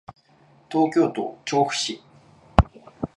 東京都調布市